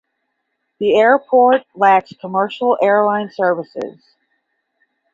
The airport lacks commercial airline services.